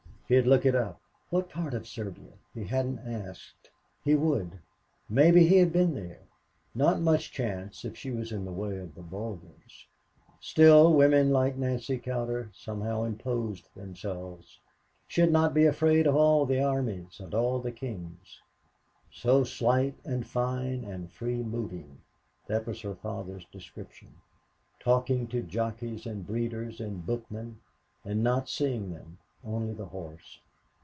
He'd look it up. What part of Serbia? He hadn't asked. He would maybe he had been there. Not much chance if she was in the way of the Bulgars. Still, women like Nancy Cowder somehow imposed themselves. She'd not be afraid of all the armies and all the kings. "So slight and fine and free moving," that was her father's description "talking to jockeys and breeders and bookmen and not seeing them, only the horse."